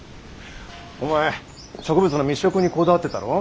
お前植物の密植にこだわってたろ。